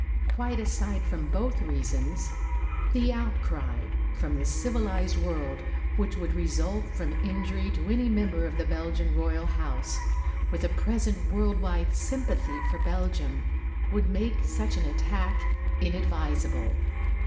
Quite aside from both reasons, the outcry from the civilised world which would result from injury to any member of the Belgian royal house, with the present world wide sympathy for Belgium, would make such an attack inadvisable.